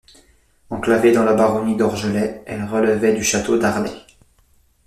Enclavée dans la baronnie d'Orgelet, elle relevait du château d'Arlay.